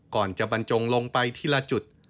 ก่อนจะบรรจงลงไปทีละจุด